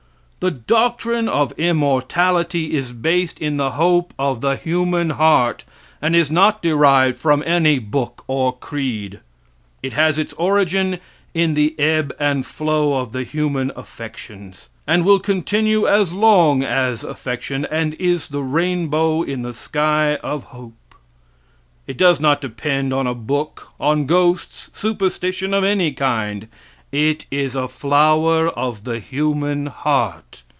The doctrine of immortality is based in the hope of the human heart, and is not derived from any book or creed. It has its origin in the ebb and flow of the human affections, and will continue as long as affection, and is the rainbow in the sky of hope. It does not depend on a book, on ghosts, superstition of any kind; it is a flower of the human heart.